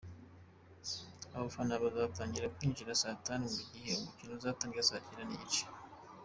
Abafana bazatangira kwinjira saa tanu mu gihe umukino uzatangira saa cyenda n’igice.